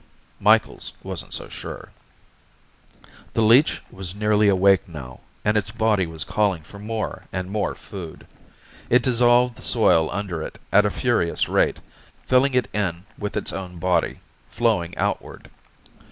Micheals wasn't so sure. The leech was nearly awake now, and its body was calling for more and more food. It dissolved the soil under it at a furious rate, filling it in with its own body, flowing outward.